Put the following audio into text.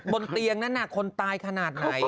บนเตียงนั้นคนตายขนาดไหน